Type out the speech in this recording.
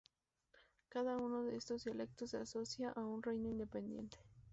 Cada uno de estos dialectos se asocia a un reino independiente.